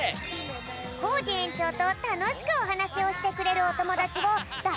コージえんちょうとたのしくおはなしをしてくれるおともだちをだ